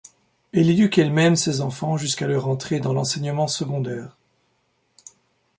Elle éduque elle-même ses enfants jusqu’à leur entrée dans l'enseignement secondaire.